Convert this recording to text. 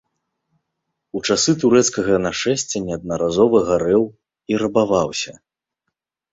У часы турэцкага нашэсця неаднаразова гарэў і рабаваўся.